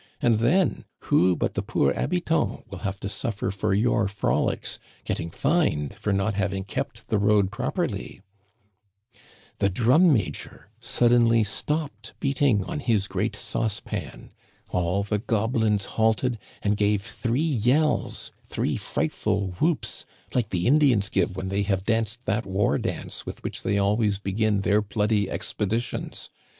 And then, who but the poor habitant will have to suffer for your frolics, getting fined for not hav ing kept the road properly !'" The drum major suddenly stopped beating on his great sauce pan. All the goblins halted and gave three yells, three frightful whoops, like the Indians give when they have danced that war dance with which they always begin their bloody expeditions.